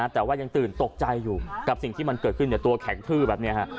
แต่ว่ายังตื่นตกใจอยู่กับสิ่งที่มันเกิดขึ้นตัวแข็งทื้อแบบนี้